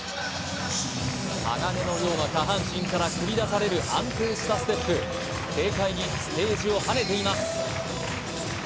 鋼のような下半身から繰り出される安定したステップ軽快にステージを跳ねています